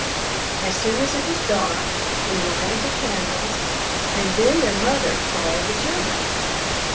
As soon as it was dark we lighted the candles and then their mother called the children.